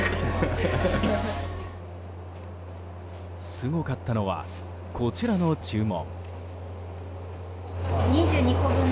すごかったのはこちらの注文。